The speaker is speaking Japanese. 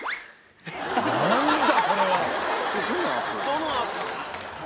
・何だ